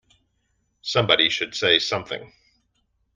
Somebody should say something